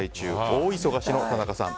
大忙しの田中さん。